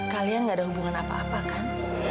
kalian gak ada hubungan apa apa kan